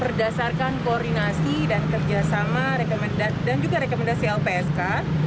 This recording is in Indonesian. berdasarkan koordinasi dan kerjasama dan juga rekomendasi lpsk